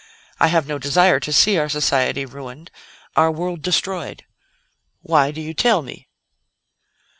I have no desire to see our society ruined, our world destroyed. Why do you tell me?"